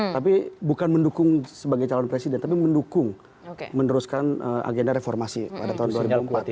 tapi bukan mendukung sebagai calon presiden tapi mendukung meneruskan agenda reformasi pada tahun dua ribu empat